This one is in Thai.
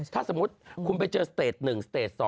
ถ้าสมมุติคุณไปเจอสเตจ๑สเตจ๒